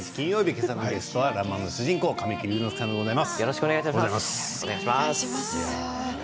今朝の主人公は「らんまん」の主人公、神木隆之介さんです。